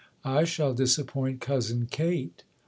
I shall disappoint Cousin Kate."